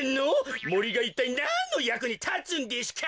もりがいったいなんのやくにたつんデシュか！